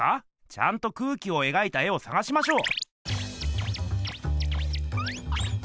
ちゃんと空気を描いた絵をさがしましょう。